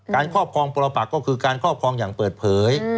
ครอบครองปรปักก็คือการครอบครองอย่างเปิดเผย